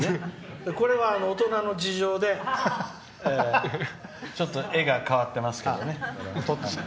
これは、大人の事情で絵が変わってますけどね。